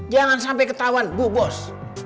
jangan sampai ketahuan bu bos